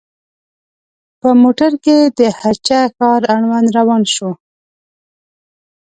په موټر کې د هه چه ښار اړوند روان شوو.